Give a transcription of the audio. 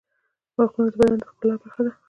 غاښونه د بدن د ښکلا برخه ده.